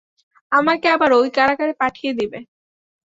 আমাকে আবার ঐ কারাগারে পাঠিয়ে দিবে।